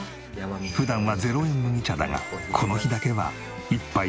普段は０円麦茶だがこの日だけは１杯２０円のコーヒー。